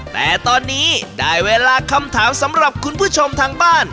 แต่ตอนนี้ได้เวลาคำถามสำหรับคุณผู้ชมทางบ้าน